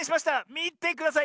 みてください